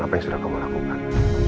apa yang sudah kamu lakukan